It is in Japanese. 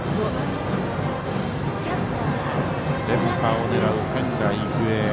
連覇を狙う仙台育英。